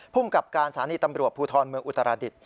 ภูมิกับการสถานีตำรวจภูทรเมืองอุตราดิษฐ